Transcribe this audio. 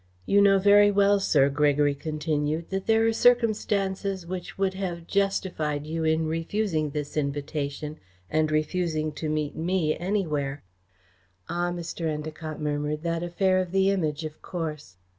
"You know very well, sir," Gregory continued, "that there are circumstances which would have justified you in refusing this invitation and refusing to meet me anywhere." "Ah!" Mr. Endacott murmured. "That affair of the Image, of course."